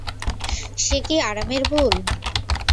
সে কী আরামের ভুল।